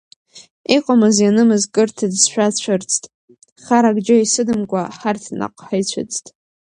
Иҟамыз ианымыз кыр ҭыӡшәа цәырҵт, харак џьа исыдымкәа ҳарҭ наҟ ҳаицәыӡт.